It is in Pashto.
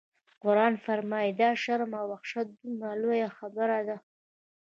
قرآن فرمایي: دا د شرم او وحشت دومره لویه خبره ده.